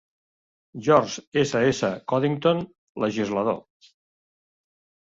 George S. S. Codington, legislador.